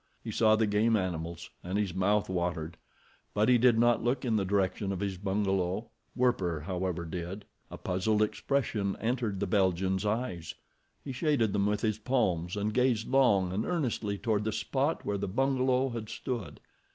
He saw the game animals, and his mouth watered; but he did not look in the direction of his bungalow. Werper, however, did. A puzzled expression entered the Belgian's eyes. He shaded them with his palms and gazed long and earnestly toward the spot where the bungalow had stood.